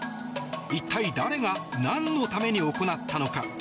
一体誰が何のために行ったのか。